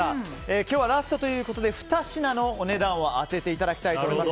今日はラストということで２品のお値段を当てていただきたいと思います。